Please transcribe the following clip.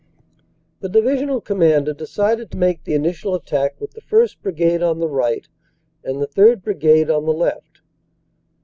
"The Divisional Commander decided to make the initial attack with the 1st. Brigade on the right and the 3rd. Brigade on the left.